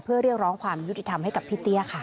เพื่อเรียกร้องความยุติธรรมให้กับพี่เตี้ยค่ะ